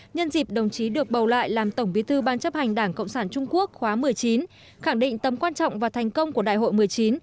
nhân dịp đồng chí được bầu lại làm tổng bí thư ban chấp hành đảng cộng sản trung quốc khóa một mươi chín khẳng định tầm quan trọng và thành công của đại hội một mươi chín